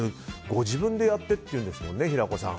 ご自分でやってっていうんですもんね、平子さん。